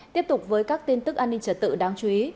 tiếp tục với các tin tức an ninh trật tự đáng chú ý